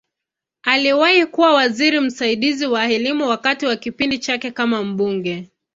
Aliwahi kuwa waziri msaidizi wa Elimu wakati wa kipindi chake kama mbunge.